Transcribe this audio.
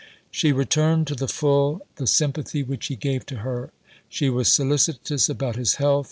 She returned to the full the sympathy which he gave to her. She was solicitous about his health.